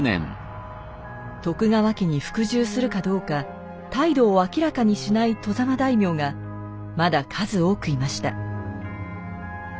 徳川家に服従するかどうか態度を明らかにしない外様大名がまだ数多くいました。